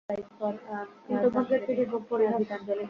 কিন্তু ভাগ্যের কি নির্মম পরিহাস।